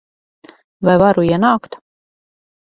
Vai varu ienākt?